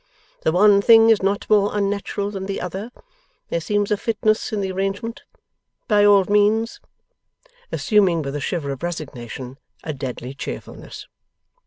The one thing is not more unnatural than the other. There seems a fitness in the arrangement. By all means!' Assuming, with a shiver of resignation, a deadly cheerfulness.